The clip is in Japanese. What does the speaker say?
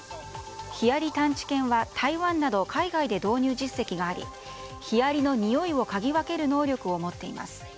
ヒアリ探知犬は、台湾など海外で導入実績がありヒアリのにおいをかぎ分ける能力を持っています。